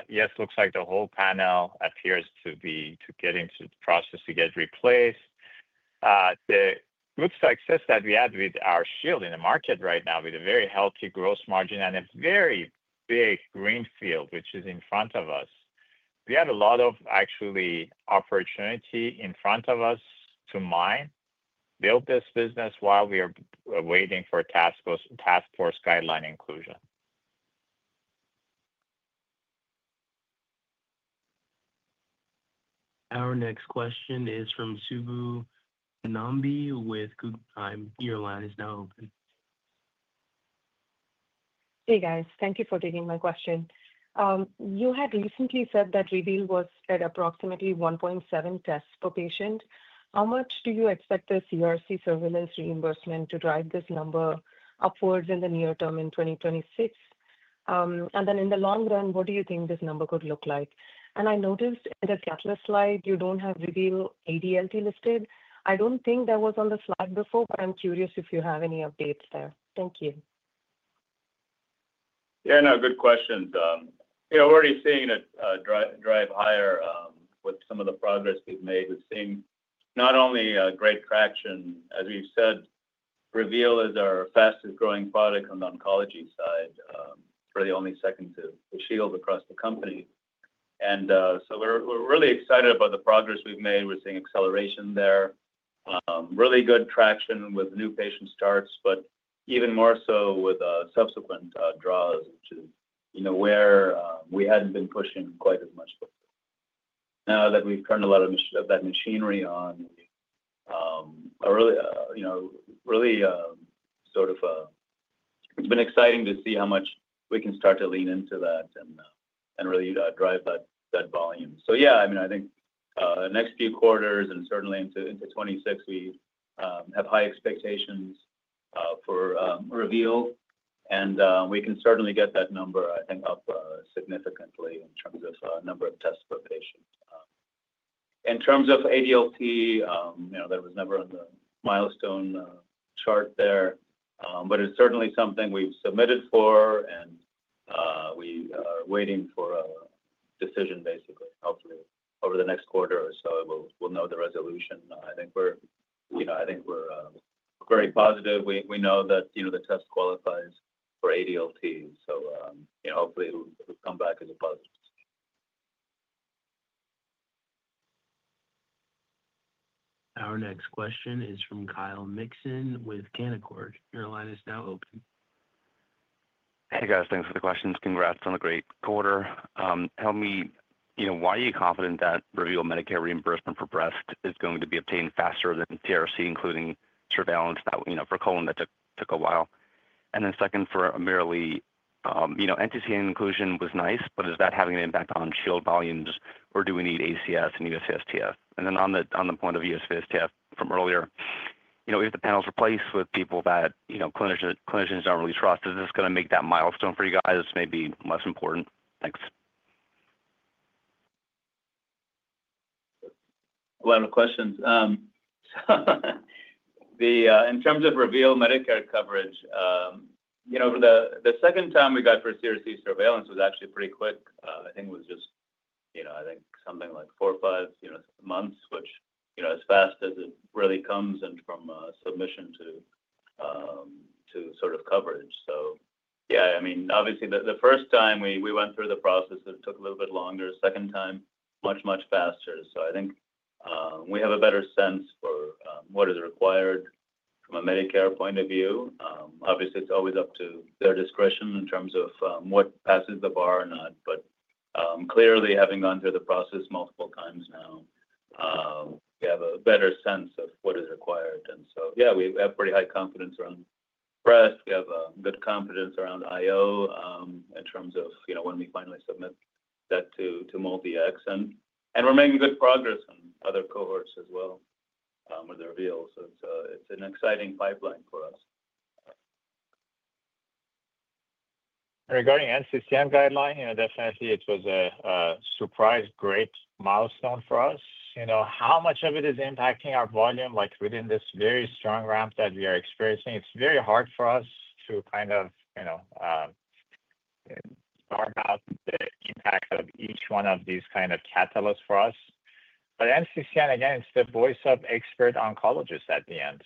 Yes, looks like the whole panel appears to get into the process to get replaced. The good success that we had with our Shield in the market right now with a very healthy gross margin, and it's very big greenfield, which is in front of us. We had a lot of actually opportunity in front of us to mine, build this business while we are waiting for task force guideline inclusion. Our next question is from Subbu Nambi with Guggenheim. Your line is now open. Hey, guys. Thank you for taking my question. You had recently said that Reveal was at approximately 1.7 tests per patient. How much do you expect the CRC surveillance reimbursement to drive this number upwards in the near term in 2026? Then in the long run, what do you think this number could look like? I noticed in the capital slide you don't have Reveal ADLT listed. I don't think that was on the slide before, I'm curious if you have any updates there. Thank you. Good questions. We're already seeing it drive higher with some of the progress we've made. We're seeing not only great traction, as you said, Reveal is our fastest-growing product on the Oncology side, it's really only second to the Shield across the company. We're really excited about the progress we've made with the acceleration there. Really good traction with new patient starts, but even more so with subsequent draws, which is where we hadn't been pushing quite as much. Now, that we've turned a lot of that machinery on, it's been exciting to see how much we can start to lean into that and really drive that volume. I think next few quarters and certainly into 2026, we have high expectations for Reveal, and we can certainly get that number, I think up significantly in terms of number of tests per patient. In terms of ADLT, there was never on the milestone chart there, but it's certainly something we've submitted for and we are waiting for a decision, basically. Hopefully, over the next quarter or so, we'll know the resolution. I think we're very positive. We know that the test qualifies for ADLT, so hopefully it will come back as a positive. Our next question is from Kyle Mikson with Canaccord. Your line is now open. Hey, guys. Thanks for the questions. Congrats on a great quarter. Tell me, why are you confident that Reveal Medicare reimbursement for breast is going to be obtained faster than CRC, including surveillance that, for colon, that took a while. Second, for AmirAli, NCCN inclusion was nice, but is that having an impact on Shield volumes, or do we need ACS and USPSTF? On the point of USPSTF from earlier, with the panels replaced with people that clinicians don't really trust, is this going to make that milestone for you guys maybe less important? Thanks. A lot of questions. In terms of Reveal Medicare coverage, the second time we got for CRC surveillance was actually pretty quick. I think it was just something like four or five, six months, which, as fast as it really comes in from submission to coverage. Obviously, the first time we went through the process, it took a little bit longer. Second time, much, much faster. I think we have a better sense for what is required from a Medicare point of view. Obviously, it's always up to their discretion in terms of what passes the bar or not. Clearly, having gone through the process multiple times now, we have a better sense of what is required. We have pretty high confidence around breast. We have good confidence around IO in terms of when we finally submit that to MolDX. We're making good progress on other cohorts as well with Reveal. It's an exciting pipeline for us. Regarding NCCN guideline, definitely it was a surprise great milestone for us. How much of it is impacting our volume within this very strong ramp that we are experiencing? It's very hard for us to kind of sort out the impact of each one of these kind of catalysts for us. NCCN, again, it's the voice of expert oncologists at the end.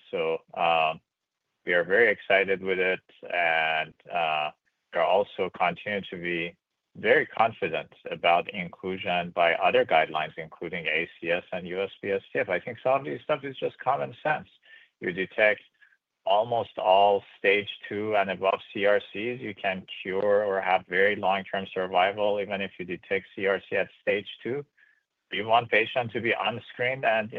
We are very excited with it, and we also continue to be very confident about inclusion by other guidelines, including ACS and USPSTF. I think some of this stuff is just common sense. You detect almost all Stage 2 and above CRCs, you can cure or have very long-term survival, even if you detect CRC at Stage 2. Do you want patients to be unscreened and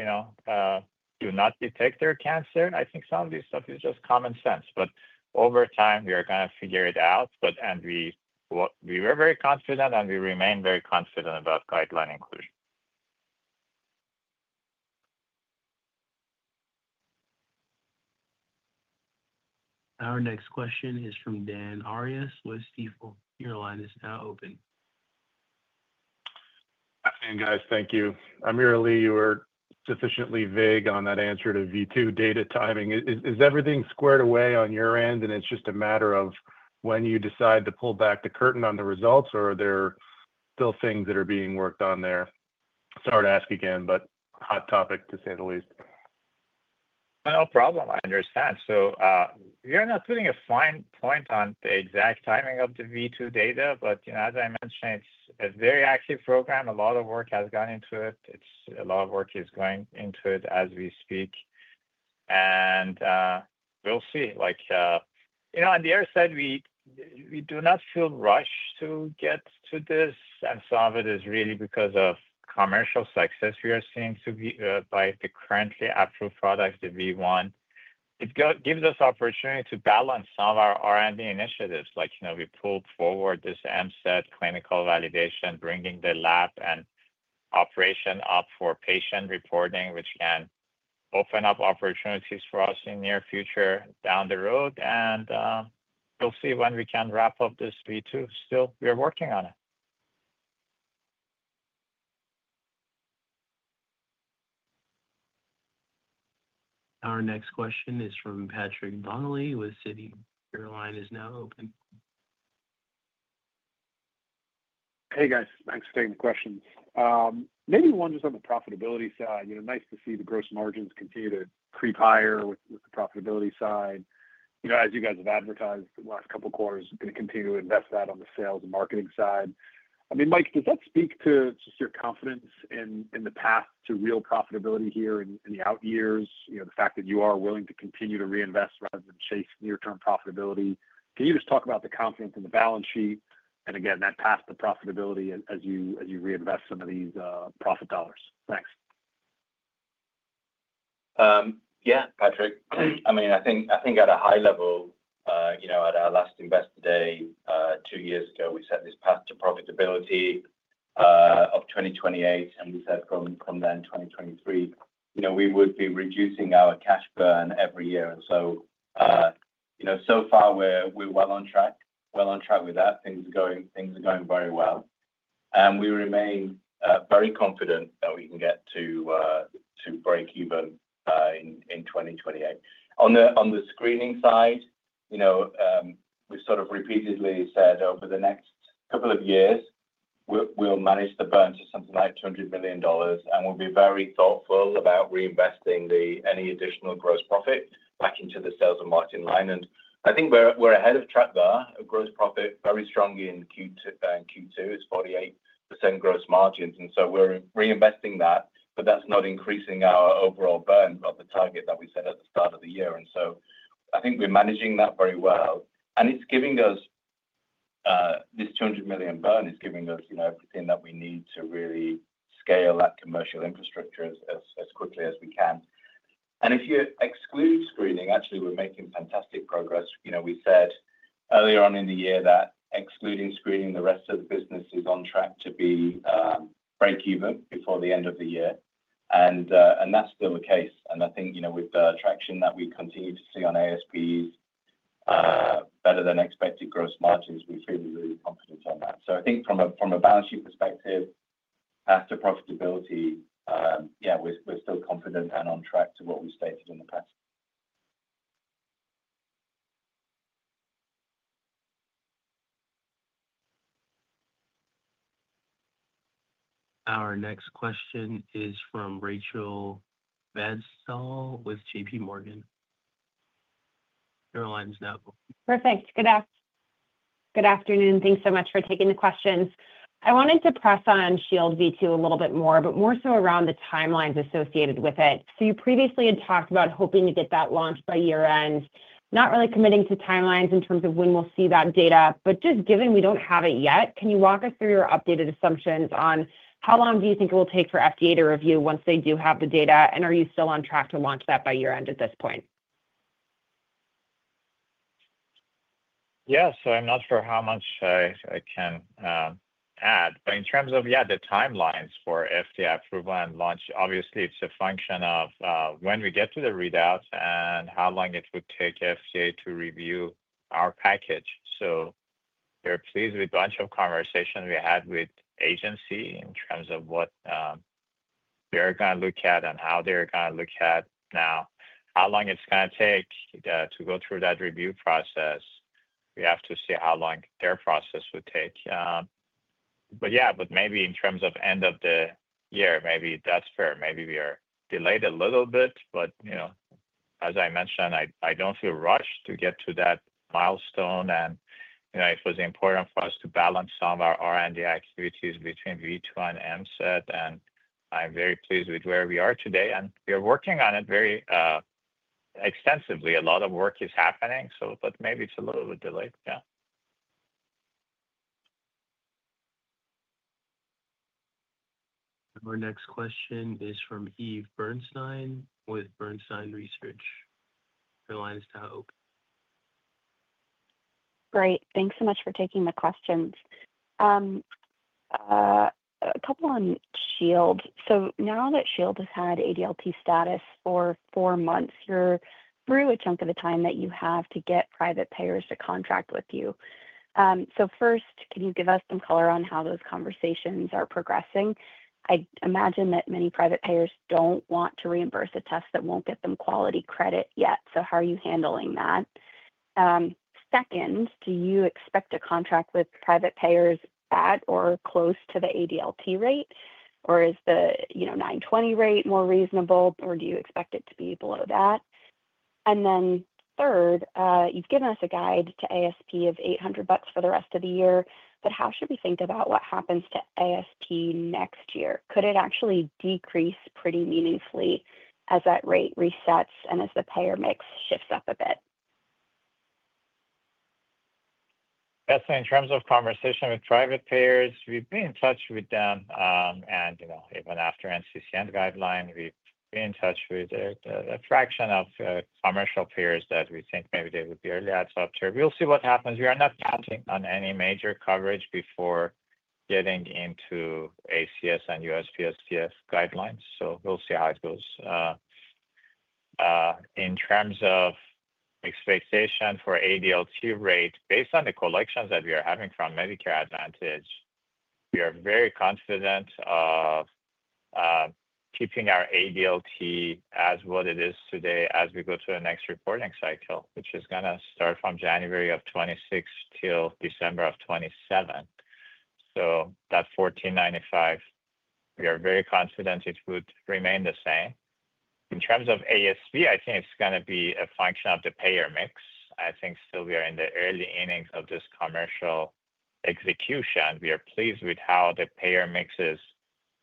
do not detect their cancer? I think some of this stuff is just common sense, but over time, we are going to figure it out. We were very confident, and we remain very confident about guideline inclusion. Our next question is from Dan Arias with Stifel. Your line is now open. Hey, guys. Thank you. AmirAli, you were sufficiently vague on that answer to V2 data timing. Is everything squared away on your end, and it's just a matter of when you decide to pull back the curtain on the results, or are there still things that are being worked on there? Sorry to ask again, but hot topic, to say the least. No problem. I understand. You're not doing a fine point on the exact timing of the V2 data, but as I mentioned, it's a very active program. A lot of work has gone into it. A lot of work is going into it as we speak, and we'll see. On the other side, we do not feel rushed to get to this, and some of it is really because of commercial success we are seeing by the currently active product, the V1. It gives us opportunity to balance some of our R&D initiatives. We pulled forward this MSAT clinical validation, bringing the lab and operation up for patient reporting, which can open up opportunities for us in near future down the road, and we'll see when we can wrap up this V2. We are working on it. Our next question is from Patrick Donnelly with Citi. Your line is now open. Hey, guys. Thanks for taking the questions. Maybe one just on the profitability side. Nice to see the gross margins continue to creep higher with the profitability side. As you guys have advertised the last couple of quarters, you're going to continue to invest that on the sales and marketing side. Mike, could you speak to just your confidence in the path to real profitability here in the out years, the fact that you are willing to continue to reinvest rather than chase near-term profitability? Can you just talk about the confidence in the balance sheet, and again, that path to profitability as you reinvest some of these profit dollars? Thanks. Patrick, I think at a high level, at our last Investor Day two years ago, we set this path to profitability of 2028. We said from then, 2023, we would be reducing our cash burn every year. We're well on track with that. Things are going very well. We remain very confident that we can get to breakeven in 2028. On the Screening side, we've repeatedly said over the next couple of years, we'll manage to burn to something like $200 million. We'll be very thoughtful about reinvesting any additional gross profit back into the sales and margin line. I think we're ahead of track there. Our gross profit very strongly in Q2 is 48% gross margins. We're reinvesting that, but that's not increasing our overall burn above the target that we set at the start of the year. I think we're managing that very well. This $200 million burn is giving us everything that we need to really scale that commercial infrastructure as quickly as we can. If you exclude Screening, actually, we're making fantastic progress. We said earlier on in the year that excluding Screening, the rest of the business is on track to be breakeven before the end of the year. That's still the case. I think, with the traction that we continue to see on ASPs better than expected gross margins, we feel really confident on that. I think from a balance sheet perspective, path to profitability, we're still confident and on track to what we stated in the past. Our next question is from Rachel Vatnsdal with JPMorgan. Your line's now open. Perfect. Good afternoon. Thanks so much for taking the questions. I wanted to press on Shield V2 a little bit more, but more so around the timelines associated with it. You previously had talked about hoping to get that launched by year-end, not really committing to timelines in terms of when we'll see that data. Just given we don't have it yet, can you walk us through your updated assumptions on how long do you think it will take for FDA to review once they do have the data, and are you still on track to launch that by year-end at this point? I'm not sure how much I can add, but in terms of the timelines for FDA approval and launch, obviously, it's a function of when we get to the readouts and how long it would take FDA to review our package. We are pleased with bunch of conversations we had with agency in terms of what they're going to look at and how they're going to look at. Now, how long it's going to take to go through that review process, we have to see how long their process would take. But maybe in terms of end of the year, maybe that's fair. Maybe we are delayed a little bit, but as I mentioned, I don't feel rushed to get to that milestone. It was important for us to balance some of our R&D activities between V2 and MCD. I'm very pleased with where we are today. We are working on it very extensively. A lot of work is happening. Maybe it's a little bit delayed. Our next question is from Eve Burstein with Bernstein Research. Your line's now open. Great. Thanks so much for taking the questions. A couple on Shield. Now that Shield had ADLT status for four months, you're through a chunk of the time that you have to get private payers to contract with you. First, can you give us some color on how those conversations are progressing? I imagine that many private payers don't want to reimburse a test that won't get them quality credit yet. How are you handling that? Second, do you expect a contract with private payers at or close to the ADLT rate, or is the $920 rate more reasonable, or do you expect it to be below that? Third, you've given us a guide to ASP of $800 for the rest of the year, but how should we think about what happens to ASP next year? Could it actually decrease pretty meaningfully as that rate resets and as the payer mix shifts up a bit? In terms of conversation with private payers, we've been in touch with them, and even after NCCN guideline, we've been in touch with a fraction of the commercial payers that we think maybe they would be early adopter. We'll see what happens. We are not counting on any major coverage before getting into ACS and USPSTF guidelines. We'll see how it goes. In terms of expectation for ADLT rate, based on the collections that we are having from Medicare Advantage, we are very confident of keeping our ADLT as what it is today as we go to the next reporting cycle, which is going to start from January of 2026 till December of 2027. That $1,495, we are very confident it would remain the same. In terms of ASP, I think it's going to be a function of the payer mix. I think still we are in the early innings of this commercial execution. We are pleased with how the payer mix is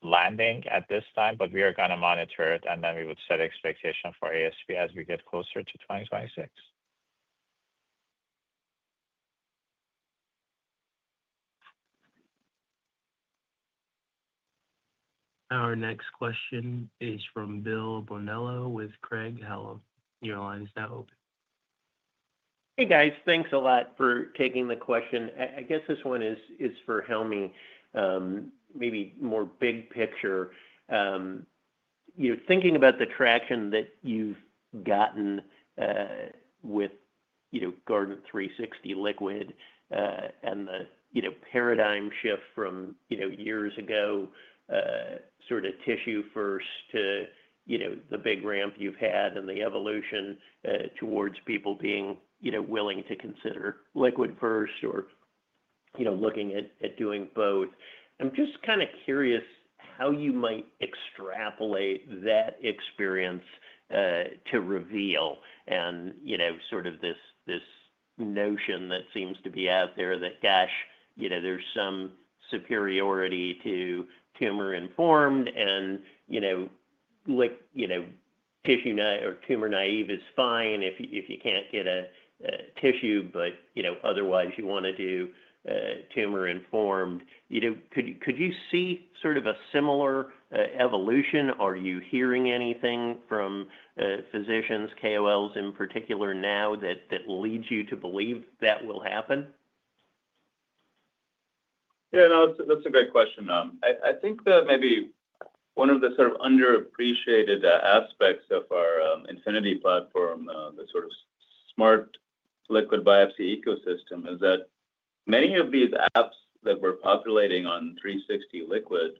landing at this time, but we are going to monitor it, and then we would set expectation for ASP as we get closer to 2026. Our next question is from Bill Bonello with Craig-Hallum. Your line's now open. Hey, guys. Thanks a lot for taking the question. I guess this one is for Helmy, maybe more big picture, thinking about the traction that you've gotten with Guardant360 Liquid and the paradigm shift from years ago, sort of tissue first to the big ramp you've had and the evolution towards people being willing to consider liquid first or looking at doing both. I'm just curious how you might extrapolate that experience to Reveal and sort of this notion that seems to be out there that, gosh, there's some superiority to tumor-informed and tumor-naïve is fine if you can't get a tissue, but otherwise you want to do tumor-informed. Could you see sort of a similar evolution? Are you hearing anything from physicians, KOLs in particular now that that leads you to believe that will happen? That's a great question. I think that maybe one of the sort of underappreciated aspects of our Infinity platform, the sort of Smart Liquid Biopsy ecosystem, is that many of these apps that we're populating on Guardant360 Liquid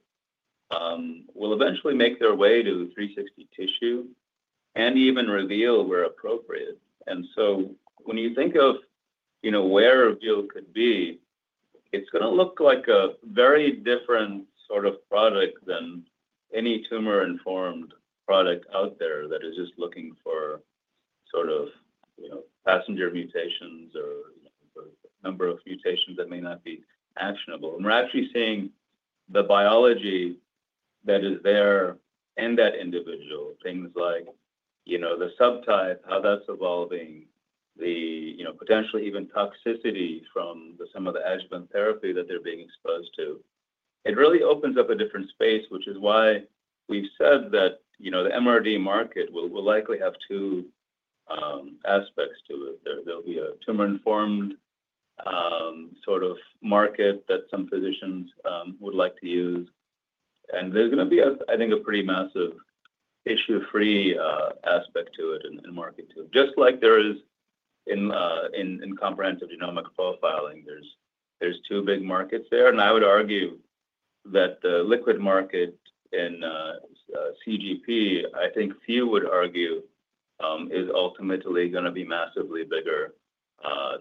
will eventually make their way to Guardant360 Tissue and even Reveal where appropriate. When you think of where Reveal could be, it's going to look like a very different sort of product than any tumor-informed product out there that is just looking for passenger mutations or the number of mutations that may not be actionable. We're actually seeing the biology that is there in that individual, things like the subtype, how that's evolving, the potential even toxicity from some of the adjuvant therapy that they're being exposed to. It really opens up a different space, which is why we've said that the MRD market will likely have two aspects to it. There'll be a tumor-informed sort of market that some physicians would like to use. There's going to be, I think, a pretty massive tissue-free aspect to it in the market, too. Just like there is in comprehensive genomic profiling, there's two big markets there. I would argue that the liquid market in CGP, I think few would argue is ultimately going to be massively bigger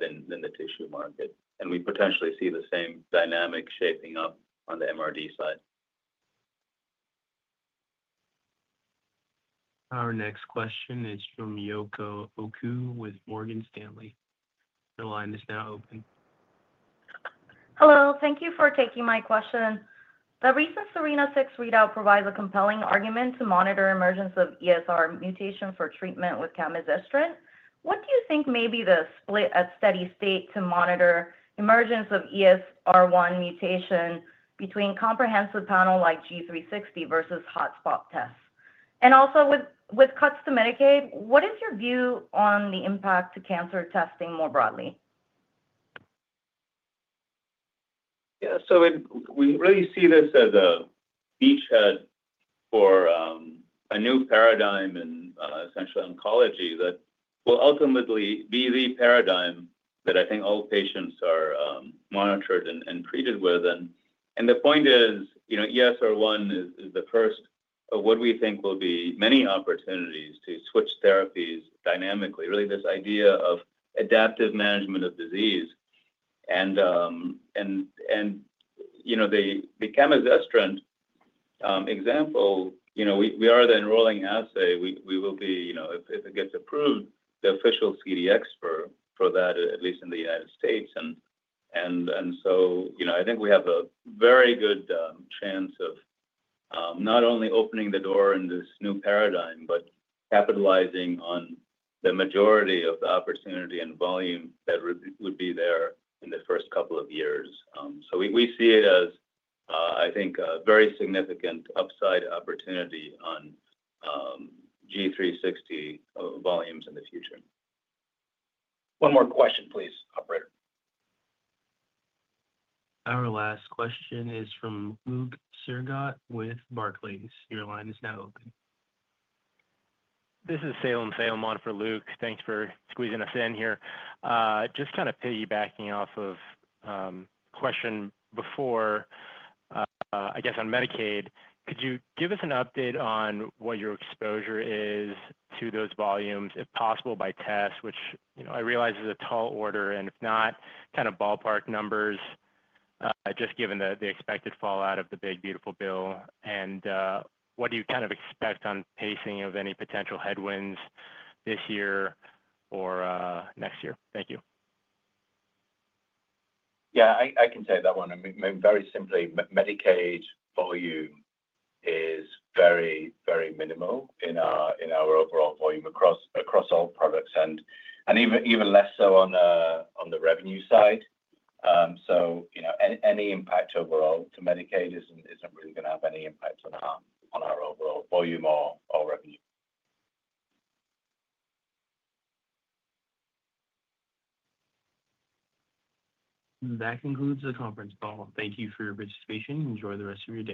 than the tissue market. We potentially see the same dynamic shaping up on the MRD side. Our next question is from Yuko Oku with Morgan Stanley. Your line is now open. Hello, thank you for taking my question. The recent SERENA-6 readout provides a compelling argument to monitor emergence of ESR1 mutation for treatment with camizestrant. What do you think may be the split at steady state to monitor emergence of ESR1 mutation between comprehensive panel like Guardant360 versus hotspot tests? Also with cuts to Medicaid, what is your view on the impact to cancer testing more broadly? We really see this as a beachhead for a new paradigm in precision oncology that will ultimately be the paradigm that I think all patients are monitored and treated with. The point is, ESR1 is the first of what we think will be many opportunities to switch therapies dynamically, really this idea of adaptive management of disease. The camizestrant example, we are the enrolling assay. We will be, if it gets approved, the official CDx for that, at least in the United States. I think we have a very good chance of not only opening the door in this new paradigm, but capitalizing on the majority of the opportunity and volume that would be there in the first couple of years. We see it as, I think, a very significant upside opportunity on Guardant360 volumes in the future. One more question, please, operator. Our last question is from Luke Sergott with Barclays. Your line is now open. This is Salem Salem, on for Luke. Thanks for squeezing us in here. Just kind of piggybacking off of question before, I guess on Medicaid, could you give us an update on what your exposure is to those volumes, if possible by test, which I realize is a tall order, and if not, kind of ballpark numbers, just given the expected fallout of the big beautiful bill? What do you kind of expect on pacing of any potential headwinds this year or next year? Thank you. I can take that one. Very simply, Medicaid volume is very minimal in our overall volume across all products, and even less so on the revenue side. Any impact overall to Medicaid isn't really going to have any impact on our overall volume or revenue. That concludes the conference call. Thank you for your participation. Enjoy the rest of your day.